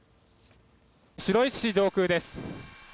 白石市上空です。